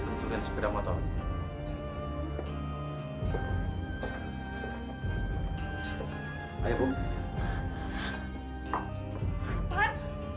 aku gak sudi kalau uangnya belum mau mabuk kan